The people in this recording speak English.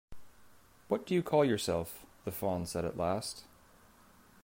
‘What do you call yourself?’ the Fawn said at last.